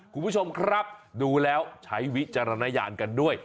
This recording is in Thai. คุณผู้ชมครับดูแล้วใช้วิจารณญาณกันด้วย